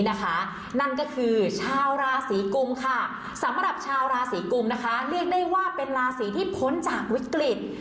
นั่นก็คือชาวราศีกุมค่ะสำหรับชาวราศีกุมนะคะเรียกได้ว่าเป็นราศีที่พ้นจากวิกฤต